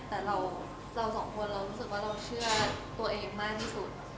แต่เราสองคนเรารู้ชื่อตัวเองมากที่สุด